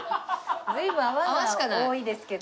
随分泡が多いですけど。